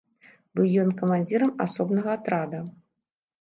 Быў ён камандзірам асобнага атрада.